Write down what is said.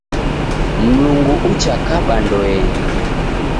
Mlungu uchakaba ndoenyi.